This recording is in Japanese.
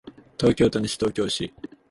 東京都西東京市